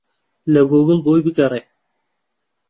لە گووگڵ بۆی بگەڕێ.